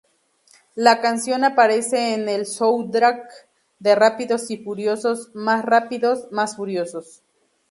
La canción aparece en el soundtrack de Rápidos y Furiosos Más Rápidos, Más Furiosos.